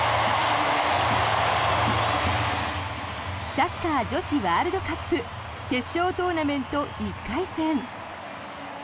サッカー女子ワールドカップ決勝トーナメント１回戦。